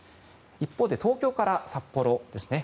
一方で東京から札幌です。